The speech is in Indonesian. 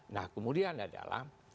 nah kemudian adalah